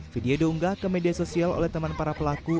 video diunggah ke media sosial oleh teman para pelaku